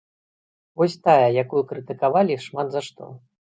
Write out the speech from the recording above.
Вось тая, якую крытыкавалі шмат за што.